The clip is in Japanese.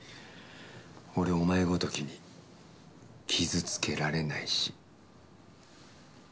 俺お前ごときに傷つけられないし。